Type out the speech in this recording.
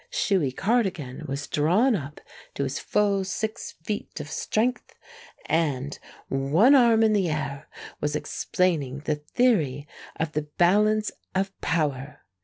Shuey Cardigan was drawn up to his full six feet of strength, and, one arm in the air, was explaining the theory of the balance of power.